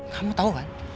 kamu tahu kan